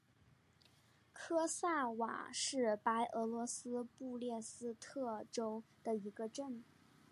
科萨瓦是白俄罗斯布列斯特州的一个镇。